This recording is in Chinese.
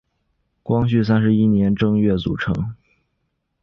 光绪三十一年正月组成。